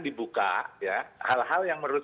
dibuka ya hal hal yang menurut